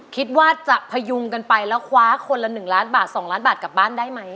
คิดว่าจะพยุงกันไปแล้วคว้าคนละ๑ล้านบาท๒ล้านบาทกลับบ้านได้ไหม